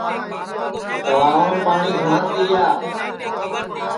تݪاوام پاٹؔی گھٹؔا تِیا